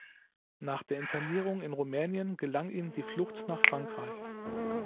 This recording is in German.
Nach der Internierung in Rumänien gelang ihm die Flucht nach Frankreich.